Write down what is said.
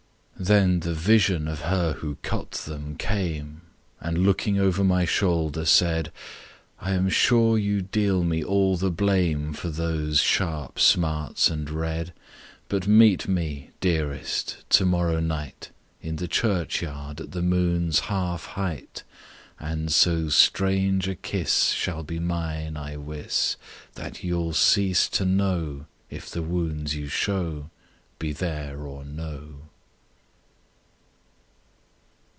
Then the Vision of her who cut them came, And looking over my shoulder said, "I am sure you deal me all the blame For those sharp smarts and red; But meet me, dearest, to morrow night, In the churchyard at the moon's half height, And so strange a kiss Shall be mine, I wis, That you'll cease to know If the wounds you show Be there or no!"